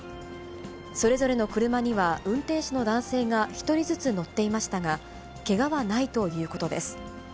それぞれの車には、運転手の男性が１人ずつ乗っていましたが、けがはないということです。